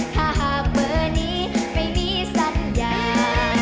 ถ้าหากเบอร์นี้ไม่มีสัญญา